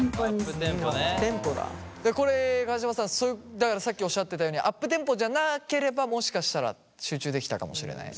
これ川島さんだからさっきおっしゃっていたようにアップテンポじゃなければもしかしたら集中できたかもしれない？